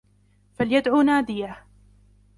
فليدع ناديه